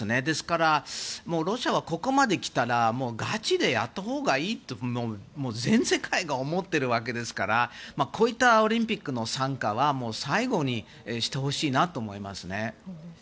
ですからロシアはここまできたらガチでやったほうがいいと前々回から思ってるわけですからこういったオリンピックの参加は最後にしてほしいなと思います。